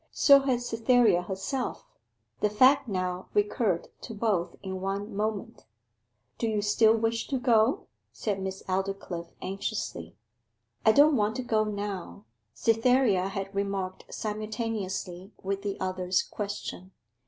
So had Cytherea herself. The fact now recurred to both in one moment. 'Do you still wish to go?' said Miss Aldclyffe anxiously. 'I don't want to go now,' Cytherea had remarked simultaneously with the other's question.